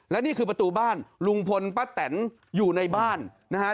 และนี่คือประตูบ้านลุงพลป้าแตนอยู่ในบ้านนะฮะ